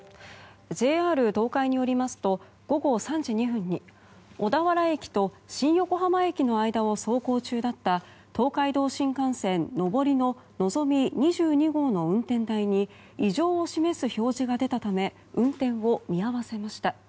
ＪＲ東海によりますと午後３時２分に小田原駅と新横浜駅の間を走行中だった東海道新幹線上りの「のぞみ２２号」の運転台に異常を示す表示が出たため運転を見合わせました。